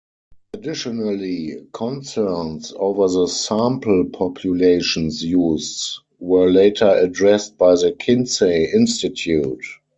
Additionally, concerns over the sample populations used were later addressed by the Kinsey Institute.